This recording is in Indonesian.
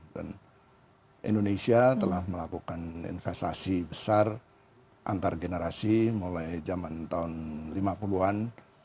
dan indonesia telah melakukan investasi besar antargenerasi mulai zaman tahun lima puluh an